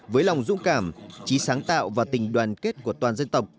với lòng dũng cảm trí sáng tạo và tình đoàn kết của toàn dân tộc